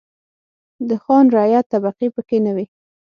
د خان-رعیت طبقې پکې نه وې.